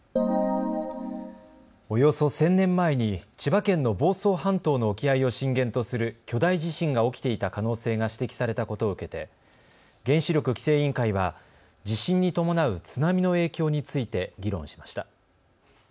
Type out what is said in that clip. およそ１０００年前に千葉県の房総半島の沖合を震源とする巨大地震が起きていた可能性が指摘されたことを受けて原子力規制委員会は地震に伴う津波の影響について議論しました。